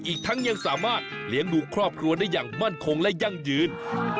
อีกทั้งยังสามารถเลี้ยงดูครอบครัวได้อย่างมั่นคงและยั่งยืน